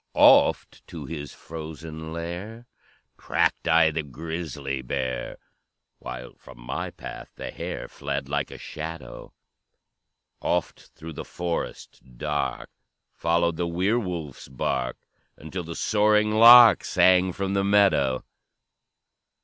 "Oft to his frozen lair Tracked I the grisly bear, While from my path the hare Fled like a shadow; Oft through the forest dark Followed the were wolf's bark, Until the soaring lark Sang from the meadow.